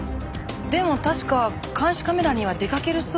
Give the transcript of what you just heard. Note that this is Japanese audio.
でも確か監視カメラには出かける姿なんて。